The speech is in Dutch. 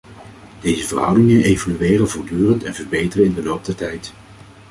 Deze verhoudingen evolueren voortdurend en verbeteren in de loop der tijd.